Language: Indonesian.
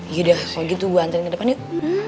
yaudah kalo gitu gue nganterin ke depan yuk